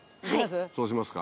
そうしますか？